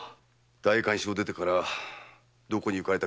代官所を出てからどこに行かれたかわからぬのだ。